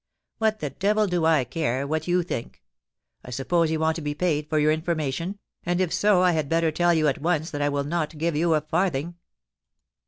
* What the devil do I care what you think ? I suppose you want to be paid for your information, and if so I had better tell you at once that I will not give you a farthing.'